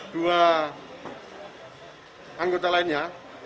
dua anggota lainnya